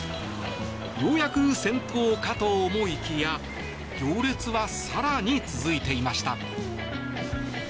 ようやく先頭かと思いきや行列は更に続いていました。